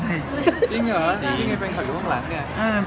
จริงหรอมีไงแฟนคลับอยู่ห้องหลังเนี่ย